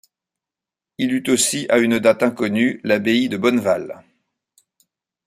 Il eut aussi à une date inconnue l'abbaye de Bonneval.